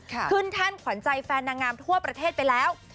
แท่นขวัญใจแฟนนางงามทั่วประเทศไปแล้ว